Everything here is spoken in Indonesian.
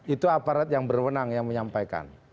itu aparat yang berwenang yang menyampaikan